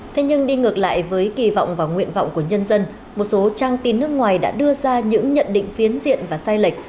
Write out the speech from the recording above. thế nhưng đi ngược lại với kỳ vọng và nguyện vọng của nhân dân một số trang tin nước ngoài đã đưa ra những nhận định phiến diện và sai lệch